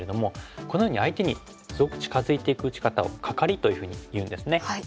このように相手にすごく近づいていく打ち方を「カカリ」というふうにいうんですね。